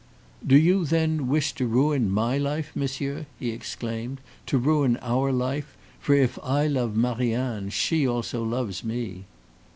"Do you, then, wish to ruin my life, Monsieur?" he exclaimed; "to ruin our life; for if I love Marie Anne, she also loves me."